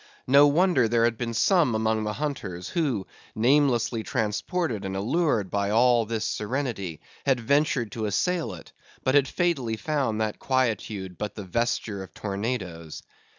No wonder there had been some among the hunters who namelessly transported and allured by all this serenity, had ventured to assail it; but had fatally found that quietude but the vesture of tornadoes.